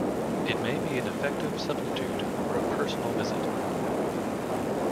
It may be an effective substitute for a personal visit.